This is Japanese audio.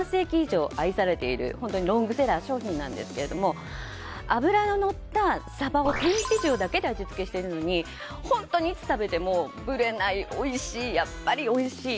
昭和３０年代に誕生して半世紀以上愛されているロングセラー商品なんですが脂がのったサバを天日塩だけで味付けしているのに本当にいつ食べてもぶれないおいしいやっぱりおいしい！